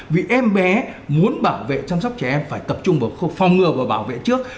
vì em bé muốn bảo vệ chăm sóc trẻ em phải tập trung vào khâu phòng ngừa và bảo vệ trước